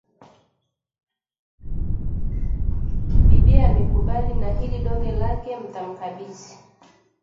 bibie amekubali na hili donge lake mtamkabidhi